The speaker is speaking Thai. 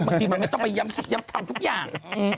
บางทีมันไม่ต้องไปย้ำทำทุกอย่าง